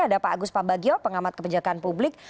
ada pak agus pambagio pengamat kebijakan publik